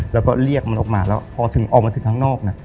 แล้วก็เรียกมันออกมาแล้วพอถึงออกมาถึงข้างนอกน่ะ